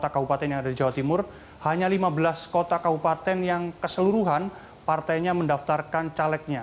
kepada kpu jawa timur hanya lima belas kota kau paten yang keseluruhan partainya mendaftarkan calegnya